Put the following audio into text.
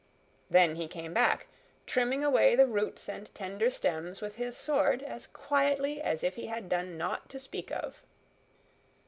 Then he came back, trimming away the roots and tender stems with his sword as quietly as if he had done nought to speak of.